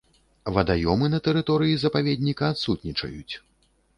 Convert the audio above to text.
Вадаёмы на тэрыторыі запаведніка адсутнічаюць.